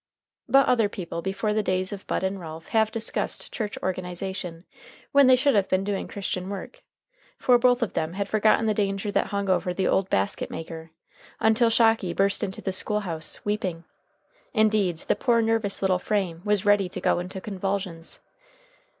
But other people before the days of Bud and Ralph have discussed church organization when they should have been doing Christian work. For both of them had forgotten the danger that hung over the old basket maker, until Shocky burst into the school house, weeping. Indeed, the poor, nervous little frame was ready to go into convulsions.